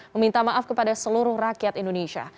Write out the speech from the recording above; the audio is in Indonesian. meminta maaf kepada seluruh rakyat indonesia